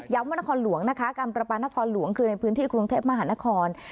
ว่านครหลวงนะคะการประปานครหลวงคือในพื้นที่กรุงเทพมหานคร